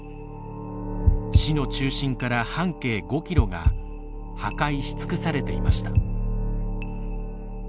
市の中心から半径５キロが破壊し尽くされていました。